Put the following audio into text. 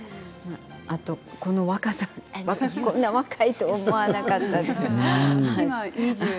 あとこの若さこんなに若いと思わなかった。